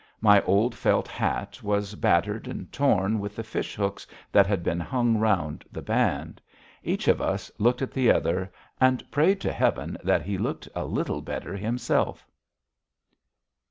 My old felt hat was battered and torn with the fish hooks that had been hung round the band. Each of us looked at the other, and prayed to Heaven that he looked a little better himself.